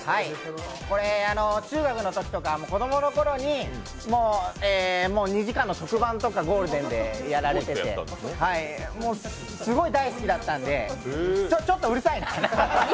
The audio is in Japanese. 中学のときとか、子供の頃に２時間の特番とかゴールデンでやられてて、すごい大好きだったんで。